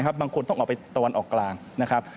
บางคนต้องออกไปตะวันออกกลางนะครับ